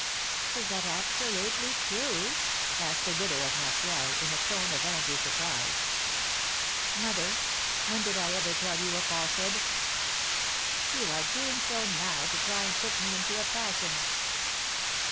"Is that absolutely true?" asked the widow of Martial, in a tone of angry surprise. "Mother, when did I ever tell you a falsehood?" "You are doing so now to try and put me into a passion!"